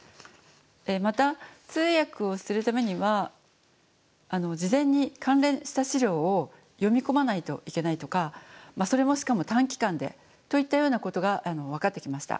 また通訳をするためには事前に関連した資料を読み込まないといけないとかそれもしかも短期間でといったようなことが分かってきました。